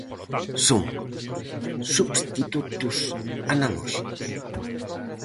Son substitutos analóxicos.